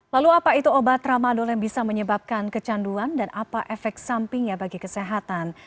lalu apa itu obat tramadol yang bisa menyebabkan kecanduan dan apa efek sampingnya bagi kesehatan